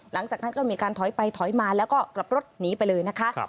หลังจากนั้นก็มีการถอยไปถอยมาแล้วก็กลับรถหนีไปเลยนะคะ